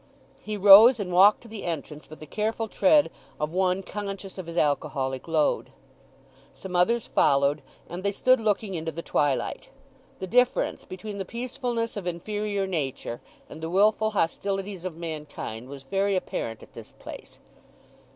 He rose and walked to the entrance with the careful tread of one conscious of his alcoholic load. Some others followed, and they stood looking into the twilight. The difference between the peacefulness of inferior nature and the wilful hostilities of mankind was very apparent at this place.